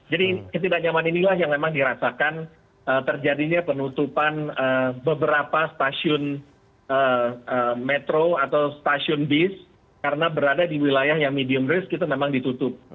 jadi ketidaknyamanan inilah yang memang dirasakan terjadinya penutupan beberapa stasiun metro atau stasiun bis karena berada di wilayah yang medium risk itu memang ditutup